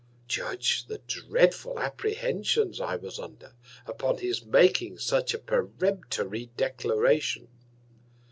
Judge the dreadful Apprehensions I was under, upon his making such a peremptory Declaration.